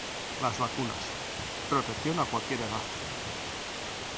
Las vacunas, ¡protección a cualquier edad!